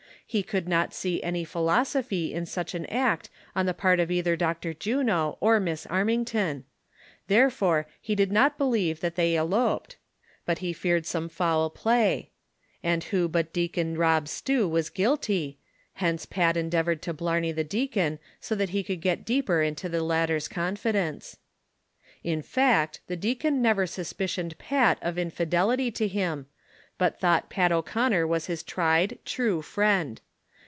He could not see any philosopliy in such an act on the part of either Dr. Juno or Miss Armington ; therefore he did not believe that they eloped, but he feared some foul play ; and who but Deacon Rob Stew was guilty, hence Pat endeavored to blarney the deacon, so that he could get deeper into the latter's confi dence. In fact, the deacon never suspicioned Pat of infidelity to him, but thought Pat O'Conner was his tried, true friend.